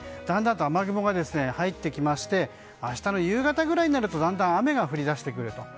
ただ、だんだんと雨雲が入ってきまして明日の夕方くらいになるとだんだん雨が降りだしてくると。